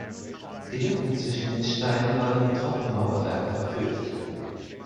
Die Lücken zwischen den Steinen waren mit Trockenmauerwerk verfüllt.